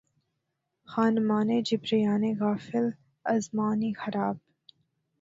خانمانِ جبریانِ غافل از معنی خراب!